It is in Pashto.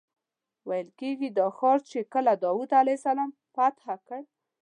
ویل کېږي دا ښار چې کله داود علیه السلام فتح کړ.